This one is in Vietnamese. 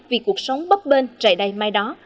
vì cuộc sống bấp bên trải đầy mai đó